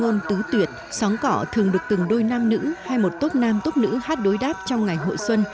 môn tứ tuyệt sóng cọ thường được từng đôi nam nữ hay một tốt nam tốt nữ hát đối đáp trong ngày hội xuân